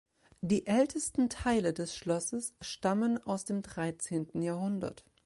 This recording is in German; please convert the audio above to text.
Die ältesten Teile des Schlosses stammen aus dem dreizehnten Jahrhundert.